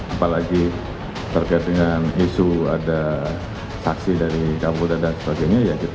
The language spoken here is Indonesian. apalagi terkait dengan isu ada saksi dari kapolda dan sebagainya ya kita